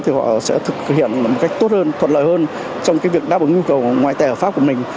thì họ sẽ thực hiện một cách tốt hơn thuận lợi hơn trong cái việc đáp ứng nhu cầu ngoại tệ hợp pháp của mình